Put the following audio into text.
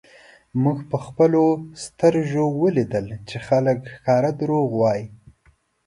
مونږ په خپلو سترږو ولیدل چی خلک ښکاره درواغ وایی